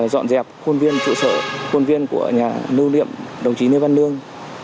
dọn dẹp khuôn viên trụ sở khuôn viên của nhà lưu niệm đồng chí lê văn lương